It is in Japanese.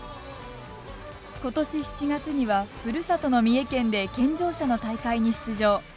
ことし７月にはふるさとの三重県で健常者の大会に出場。